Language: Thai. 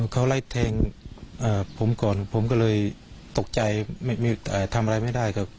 เขาไล่แทงผมก่อนผมก็เลยตกใจทำอะไรไม่ได้ครับ